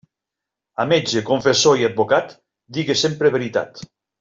A metge, confessor i advocat, digues sempre veritat.